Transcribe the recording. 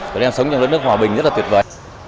để em sống trong đất nước hòa bình rất tuyệt vời